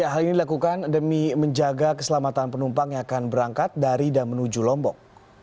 hal ini dilakukan demi menjaga keselamatan penumpang yang akan berangkat dari dan menuju lombok